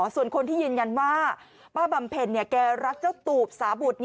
ส่วนคนที่ยืนยันว่าป้าบำเพ็ญแกรักเจ้าตูบสาบุตร